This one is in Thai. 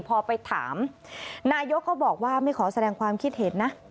พอไปถามนายกก็บอกว่าไม่ขอแสดงความคิดเห็นนะ